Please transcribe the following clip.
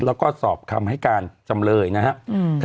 แล้วก็สอบคำให้การจำเลยนะครับ